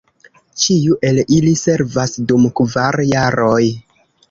Ĉiu el ili servas dum kvar jaroj.